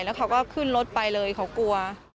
แล้วเขาก็ขึ้นรถไปเลยเขากลัว